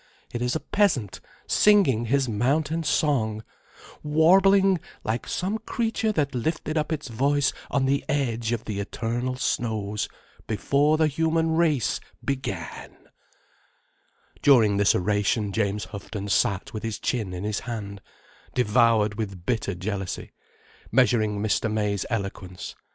It is a peasant singing his mountain song, warbling like some creature that lifted up its voice on the edge of the eternal snows, before the human race began—" During this oration James Houghton sat with his chin in his hand, devoured with bitter jealousy, measuring Mr. May's eloquence.